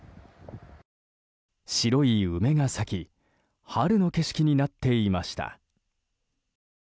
白い梅が咲き春の景色になっていました。